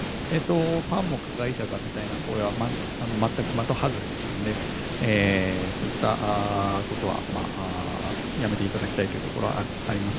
ファンも加害者だみたいなことは全く的外れですのでそういったことはやめていただきたいところはあります。